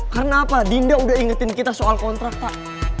karena apa dinda udah ingetin kita soal kontrak tak